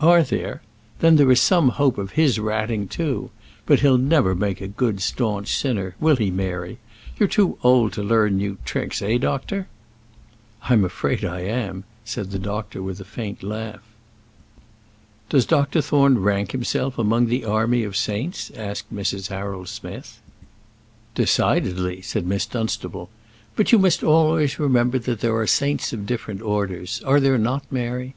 "Are there? Then there is some hope of his ratting too. But he'll never make a good staunch sinner; will he, Mary? You're too old to learn new tricks; eh, doctor?" "I am afraid I am," said the doctor, with a faint laugh. "Does Dr. Thorne rank himself among the army of saints?" asked Mrs. Harold Smith. "Decidedly," said Miss Dunstable. "But you must always remember that there are saints of different orders; are there not, Mary?